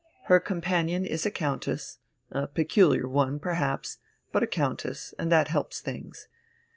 Her companion is a countess ... a peculiar one, perhaps, but a countess, and that helps things.